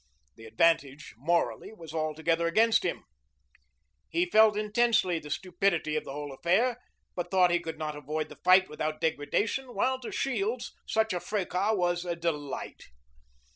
The advantage morally was altogether against him. He felt intensely the stupidity of the whole affair, but thought he could not avoid the fight without degradation; while to Shields such a fracas was a delight.